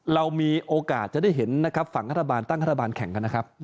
เรามีโอกาสจะได้เห็นนะครับฝั่งรัฐบาลตั้งรัฐบาลแข่งกันนะครับ